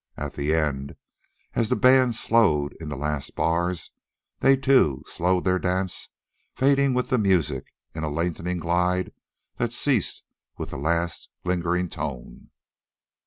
At the end, as the band slowed in the last bars, they, too, slowed, their dance fading with the music in a lengthening glide that ceased with the last lingering tone.